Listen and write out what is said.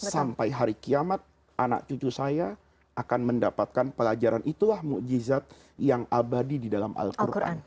sampai hari kiamat anak cucu saya akan mendapatkan pelajaran itulah ⁇ mujizat yang abadi di dalam al quran